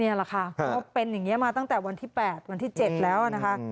นี่แหละค่ะก็เป็นอย่างนี้มาตั้งแต่วันที่๘วันที่๗แล้วนะคะ